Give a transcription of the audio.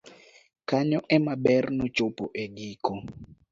kanyo ema ber nochopo e giko